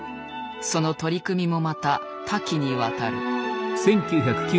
その取り組みもまた多岐にわたる。